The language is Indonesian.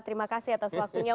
terima kasih atas waktunya